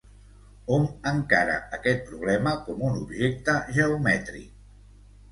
Hom encara aquest problema com un objecte geomètric.